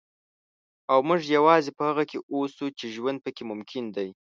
او موږ یوازې په هغه کې اوسو چې ژوند پکې ممکن دی.